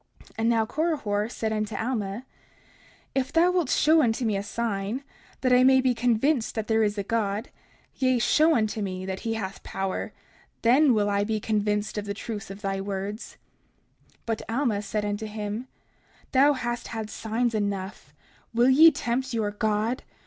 30:43 And now Korihor said unto Alma: If thou wilt show me a sign, that I may be convinced that there is a God, yea, show unto me that he hath power, and then will I be convinced of the truth of thy words. 30:44 But Alma said unto him: Thou hast had signs enough; will ye tempt your God?